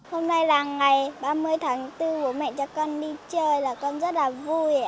hôm nay là ngày ba mươi tháng bốn bố mẹ cho con đi chơi là con rất là vui